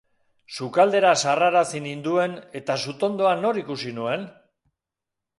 Sukaldera sarrarazi ninduen eta sutondoan nor ikusi nuen?